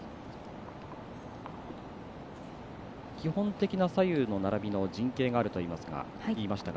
基本的な左右の流れの陣形があるといいましたが。